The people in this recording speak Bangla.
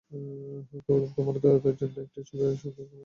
তোমার উদারতার জন্য, এটা আমার সবচেয়ে সুন্দর পালক।